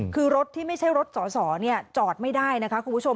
คือรถที่ไม่ใช่รถสอสอจอดไม่ได้นะคะคุณผู้ชม